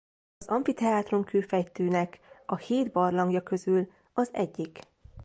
Az Amfiteátrum-kőfejtőnek a hét barlangja közül az egyik.